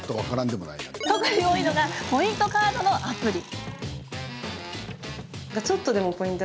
特に多いのがポイントカードのアプリ。